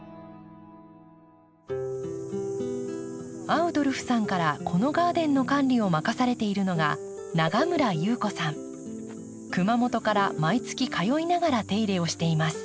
アウドルフさんからこのガーデンの管理を任されているのが熊本から毎月通いながら手入れをしています。